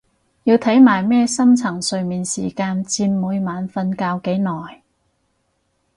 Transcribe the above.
要睇埋咩深層睡眠時間佔每晚瞓覺幾耐？